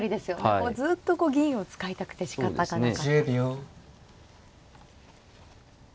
もうずっと銀を使いたくてしかたがなかった。